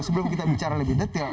sebelum kita bicara lebih detail